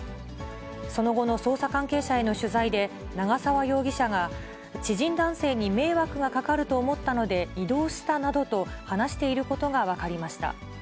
その後の捜査関係者への取材で、長沢容疑者が、知人男性に迷惑がかかると思ったので移動したなどと話していることが分かりました。